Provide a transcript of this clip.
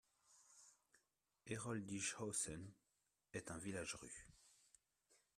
Heroldishausen est un village-rue.